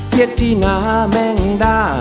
เย็ดที่หนาแม่งได้